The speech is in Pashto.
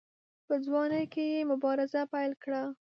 په ځوانۍ کې یې مبارزه پیل کړه.